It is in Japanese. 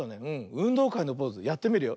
うんどうかいのポーズやってみるよ。